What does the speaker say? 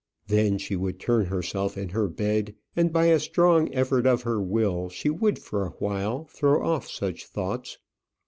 Then she would turn herself in her bed, and, by a strong effort of her will, she would for a while throw off such thoughts.